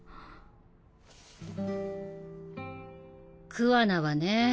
桑名はね